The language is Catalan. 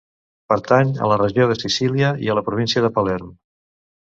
Pertany a la regió de Sicília i a la província de Palerm.